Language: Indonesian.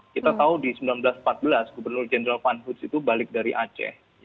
kita tahu di seribu sembilan ratus empat belas gubernur jenderal van hutz itu balik dari aceh